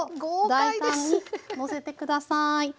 大胆にのせて下さい。